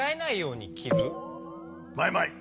マイマイ。